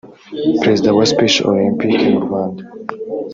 Perezida wa Special Olympics mu Rwanda